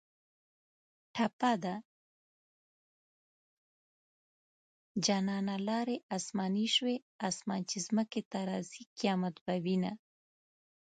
ټپه ده: جانانه لاړې اسماني شوې اسمان چې ځمکې ته راځي قیامت به وینه